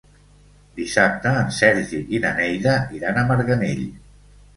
Dissabte en Sergi i na Neida iran a Marganell.